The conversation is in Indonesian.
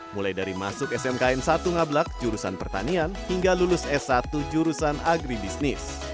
mulai dari masuk smkn satu ngablak jurusan pertanian hingga lulus s satu jurusan agribisnis